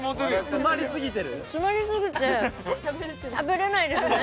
詰まりすぎてしゃべれないですね。